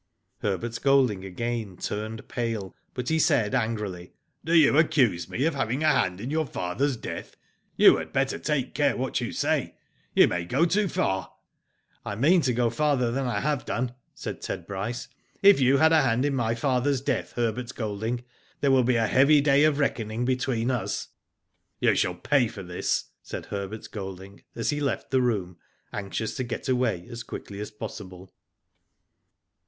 Herbert Golding again turned pale, but he said, angrily :*' Do you accuse me of having a hand in your father's death ? You had better take care what you say. You may go too far." " I mean to go farther than I have done," said Ted Bryce. "If you had a hand in my father^s Digitized byGoogk 240 IVHO DID ITf death, Herbert Golding, there will be a heavy day of reckoning between us." " You shall pay for this/' said Herbert Golding, as he left the room, anxious to get away as quickly as possible.